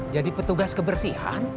jadi petugas kebersihan